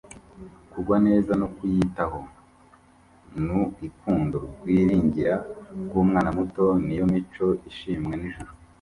Kugwa neza no kutiyitaho n'uuikundo rwiringira rw'umwana muto, ni yo mico ishimwa n'ijuru.